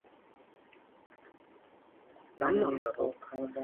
黜